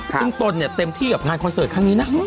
ซึ่งตนเนี่ยเต็มที่กับงานคอนเสิร์ตครั้งนี้นะ